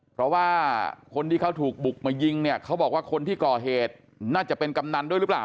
เพราะว่าคนที่เขาถูกบุกมายิงเนี่ยเขาบอกว่าคนที่ก่อเหตุน่าจะเป็นกำนันด้วยหรือเปล่า